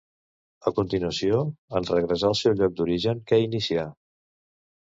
A continuació, en regressar al seu lloc d'origen, què inicià?